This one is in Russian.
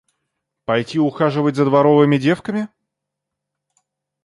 Пойти ухаживать за дворовыми девками?